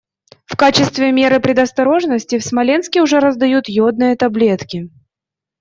В качестве меры предосторожности в Смоленске уже раздают йодные таблетки.